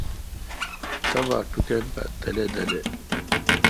تبا ٹُکن پا دلے° دلے°